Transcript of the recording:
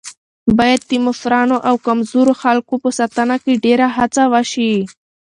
باید د مشرانو او کمزورو خلکو په ساتنه کې ډېره هڅه وشي.